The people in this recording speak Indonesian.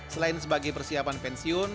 selain sebagai persiapan pensiun